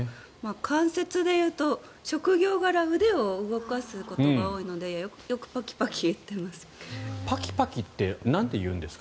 関節でいうと、職業柄腕を動かすことが多いのでよくパキパキいっています。